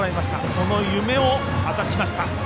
その夢を果たしました。